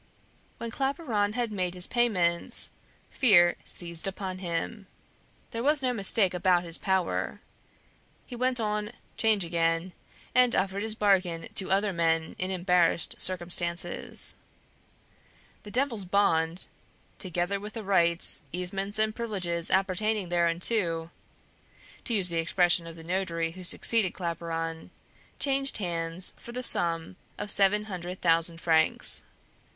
When Claparon had made his payments, fear seized upon him. There was no mistake about his power. He went on 'Change again, and offered his bargain to other men in embarrassed circumstances. The Devil's bond, "together with the rights, easements, and privileges appertaining thereunto," to use the expression of the notary who succeeded Claparon, changed hands for the sum of seven hundred thousand francs.